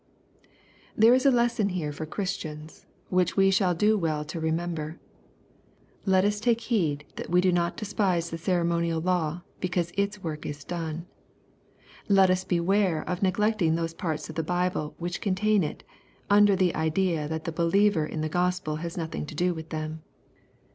There is a lesson here for Christians, which wo shall do well to remember. Let us take heed that we do not despise the ceremonial law, because its work is done. Let us beware of neglecting those parts of the Bible, which contain it, under the idea that the believer in the Go<ipel has nothing to do with them.